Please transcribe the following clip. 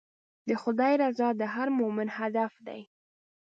د خدای رضا د هر مؤمن هدف دی.